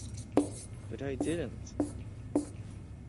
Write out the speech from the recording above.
But I didn't.